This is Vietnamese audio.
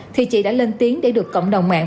thì chị đã lên tiếng để được cộng đồng mạng